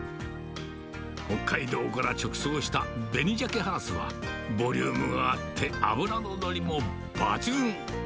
北海道から直送した紅ジャケハラスは、ボリュームがあって脂の乗りも抜群。